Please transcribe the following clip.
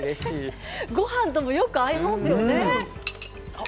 ごはんとも合いますよね。